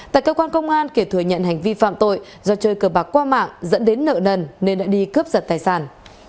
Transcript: tại cơ quan công an kiệt thừa nhận hành vi phạm tội do chơi cờ bạc qua mạng dẫn đến nợ nần nên đã đi cướp giật tài sản